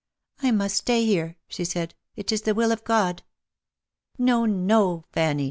" I must stay here," she said ;" it is the will of God." " No, no, Fanny."